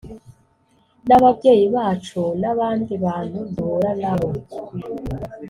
n’ababyeyi bacu n’abandi bantu duhura na bo